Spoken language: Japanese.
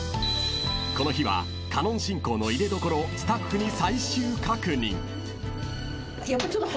［この日はカノン進行の入れどころをスタッフに最終確認］